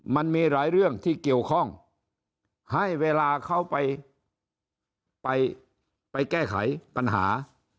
มันมีหลายเรื่องที่เกี่ยวข้องให้เวลาเขาไปไปแก้ไขปัญหา